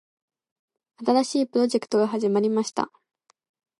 新しいプロジェクトが始まりました。